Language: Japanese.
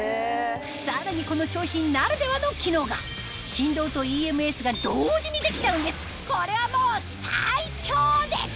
さらにこの商品ならではの機能が同時にできちゃうんですこれはもう最強です！